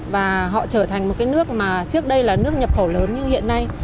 và họ trở thành một cái nước mà trước đây là nước nhập khẩu lớn như hiện nay